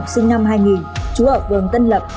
sinh năm hai nghìn chú ở vườn tân lập